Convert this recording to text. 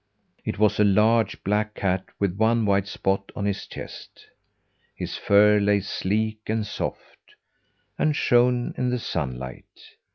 It was a large black cat with one white spot on his chest. His fur lay sleek and soft, and shone in the sunlight.